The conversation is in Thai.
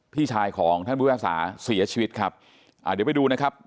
พี่ชายของท่านผู้รักษาเสียชีวิตครับอ่าเดี๋ยวไปดูนะครับ